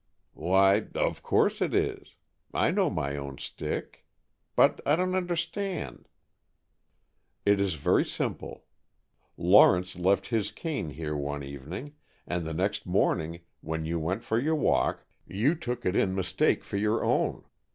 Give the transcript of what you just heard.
"Why, of course it is. I know my own stick. But I don't understand " "It is very simple. Lawrence left his cane here one evening, and the next morning, when you went for your walk, you took it in mistake for your own.